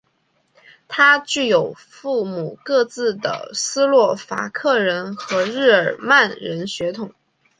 他具有母父各自的斯洛伐克人和日耳曼人血统。